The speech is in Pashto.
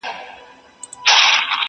چي بوډۍ وي په تلوار ډوډۍ خوړلې!.